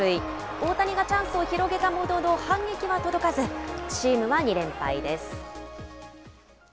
大谷がチャンスを広げたものの、反撃は届かず、チームは２連敗です。